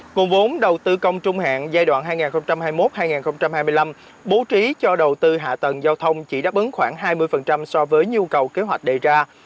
nguồn vốn đầu tư công trung hạn giai đoạn hai nghìn hai mươi một hai nghìn hai mươi năm bố trí cho đầu tư hạ tầng giao thông chỉ đáp ứng khoảng hai mươi so với nhu cầu kế hoạch đề ra